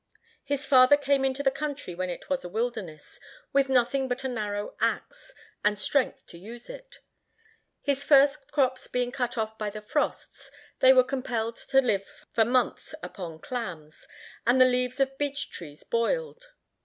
His father came into the country when it was a wilderness, with nothing but a narrow axe, and strength to use it. His first crops being cut off by the frosts, they were compelled to live for months upon clams, and the leaves of beech trees boiled.